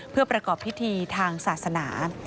เพื่อประกอบพิธีทางศาสนา